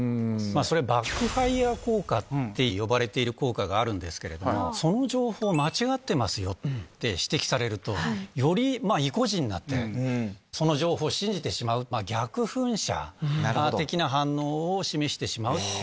それはバックファイア効果って呼ばれている効果があるんですけれども、その情報間違ってますよって指摘されると、よりいこじになって、その情報を信じてしまう、逆噴射的な反応を示してしまう。